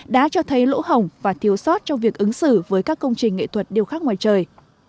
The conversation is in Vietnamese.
đã cho thấy lỗ hồng và thiếu sót trong việc ứng xử với các công trình nghệ thuật điêu khắc ngoài trời